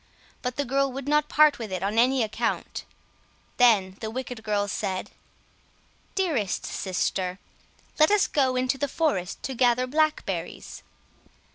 But the girl would not part with it on any account. Then the wicked girls said— "Dearest sister, let us go into the forest to gather blackberries."